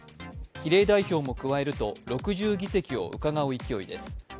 比例代表も加えると６０議席をうかがう勢いです。